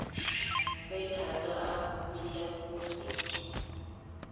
Twetaaga avujjirira pulojekiti.